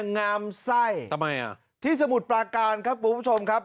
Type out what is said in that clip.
งามไส้ที่สมุทรปราการครับผู้ชมครับ